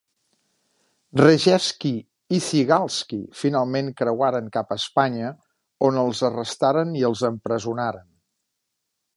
Rejewski i Zygalski finalment creuaren cap a Espanya, on els arrestaren i els empresonaren.